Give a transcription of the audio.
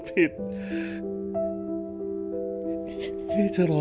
พี่ไม่อยู่แล้ว